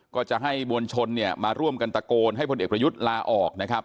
ก็จะให้มวลชนเนี่ยมาร่วมกันตะโกนให้พลเอกประยุทธ์ลาออกนะครับ